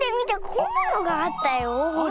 こんなのがあったよほら。